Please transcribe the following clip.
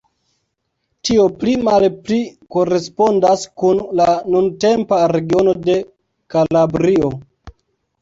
Tio pli malpli korespondas kun la nuntempa regiono de Kalabrio.